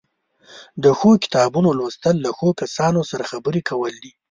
د ښو کتابونو لوستل له ښو کسانو سره خبرې کول دي.